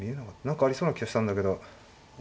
何かありそうな気がしたんだけど。